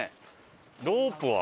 ロープは？